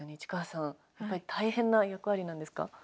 市川さんやはり大変な役割なんですか。